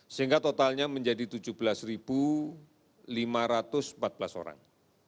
sehingga totalnya menjadi tujuh belas lima ratus empat belas orang